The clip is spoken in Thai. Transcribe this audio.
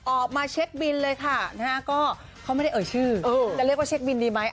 ออกมาเช็คบินเลยค่ะนะฮะก็เขาไม่ได้เอ่ยชื่อจะเรียกว่าเช็คบินดีไหม